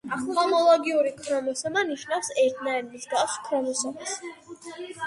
ჰომოლოგიური ქრომოსომა ნიშნავს ერთნაირ, მსგავს ქრომოსომას.